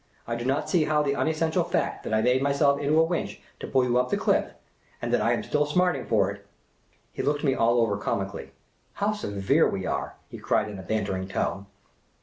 I do not see how the unes.sential fact that I made myself into a winch to pull you up the cliff, and that I am .still smarting for it " He looked me all over comically. '' How severe we are !'' he cried, in a bantering tone.